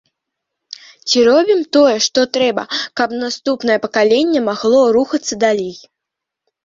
Ці робім тое, што трэба, каб наступнае пакаленне магло рухацца далей?